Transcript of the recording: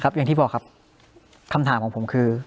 อย่างที่บอกครับคำถามของผมคือ